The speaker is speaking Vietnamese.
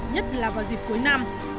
nhất là vào dịp cuối năm